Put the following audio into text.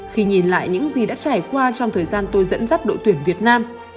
khi nhìn lại những gì đã trải qua trong thời gian tôi dẫn dắt đội tuyển việt nam